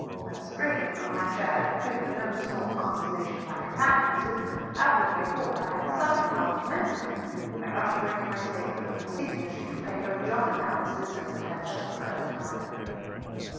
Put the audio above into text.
And, springing from my chair, to the no small consternation of my companions, who evidently thought I had suddenly gone demented, I rushed away to my state room and, seizing a sheet of paper, jotted down the system that had just recurred to my memory.